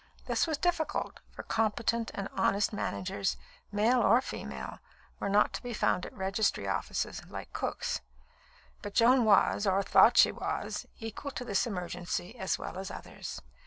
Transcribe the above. This was difficult, for competent and honest managers, male or female, were not to be found at registry offices, like cooks; but Joan was (or thought she was) equal to this emergency as well as others.